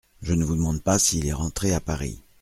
Je ne vous demande pas s’il est rentré à Paris.